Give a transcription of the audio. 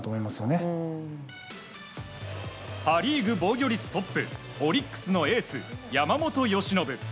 パ・リーグ防御率トップオリックスのエース山本由伸。